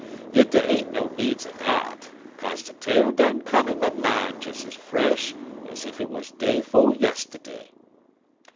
Yit dey ain't no needs er dat, 'kaze de tale done come in my min' des ez fresh ez ef 't was day 'fo' yistiddy.